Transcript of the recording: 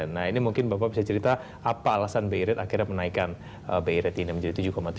nah ini mungkin bapak bisa cerita apa alasan bi rate akhirnya menaikkan bi rate ini menjadi tujuh tujuh